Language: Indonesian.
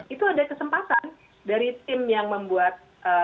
itu ada kesempatan dari tim yang membuat